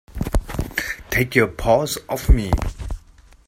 Take your paws off me!